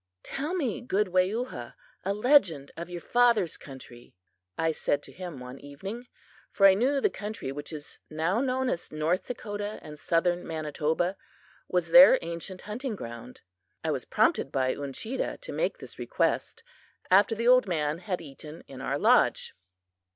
"Tell me, good Weyuha, a legend of your father's country," I said to him one evening, for I knew the country which is now known as North Dakota and Southern Manitoba was their ancient hunting ground. I was prompted by Uncheedah to make this request, after the old man had eaten in our lodge.